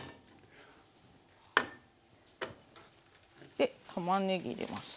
でたまねぎ入れます。